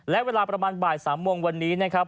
และเวลาประมาณบ่าย๓โมงวันนี้นะครับ